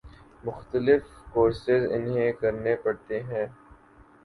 مختلف کورسز انہیں کرنے پڑتے ہیں۔